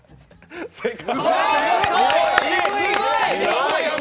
正解。